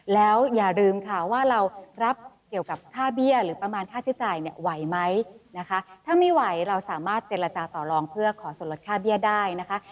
แล้วอย่าลืมค่ะว่าเรารับเกี่ยวกับค่าเบี้ยหรือประมาณค่าใช้จ่ายเนี่ยไหวไหมนะคะถ้าไม่ไหวเราสามารถเจรจาต่อลองเพื่อขอส่วนลดค่าเบี้ยได้นะคะ